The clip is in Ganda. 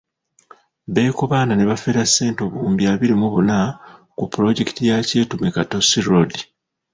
Bekobaana ne bafera ssente obuwumbi abiri mu buna ku pulojekiti ya Kyetume–Katosi road.